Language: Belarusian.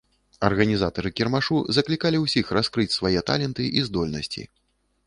Арганізатары кірмашу заклікалі ўсіх раскрыць свае таленты і здольнасці.